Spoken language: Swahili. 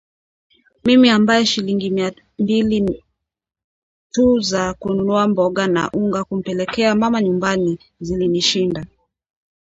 Mimi ambaye shilingi mia mbili tu za kununua mboga na unga kumpelekea mama nyumbani zilinishinda